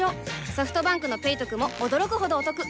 ソフトバンクの「ペイトク」も驚くほどおトク